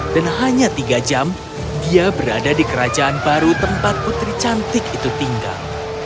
dan hanya tiga jam dia berada di kerajaan baru tempat putri cantik itu tinggal